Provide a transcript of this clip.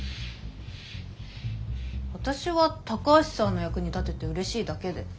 私は高橋さんの役に立てて嬉しいだけで。